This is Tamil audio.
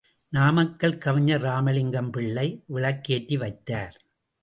நாமக்கல் கவிஞர் ராமலிங்கம் பிள்ளை விளக்கேற்றி வைத்தார்.